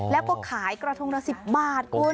แล้วก็ขายกระทงละ๑๐บาทคุณ